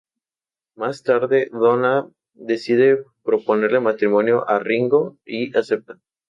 Más tarde Donna decide proponerle matrimonio a Ringo y acepta.